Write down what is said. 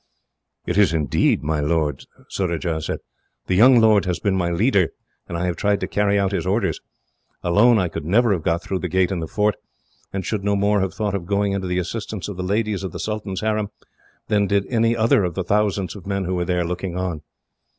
"It is indeed, my lord," Surajah said. "The young lord has been my leader, and I have tried to carry out his orders. Alone, I could never have got through the gate in the fort, and should no more have thought of going to the assistance of the ladies of the Sultan's harem than did any other of the thousands of men who were there, looking on."